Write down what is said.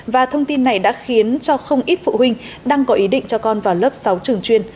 và thông tin này đã khiến cho không ít phụ huynh đang có ý định cho con vào lớp sáu trường chuyên